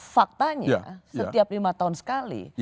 faktanya setiap lima tahun sekali